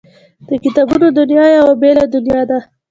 د کتابونو دنیا یوه بېله دنیا ده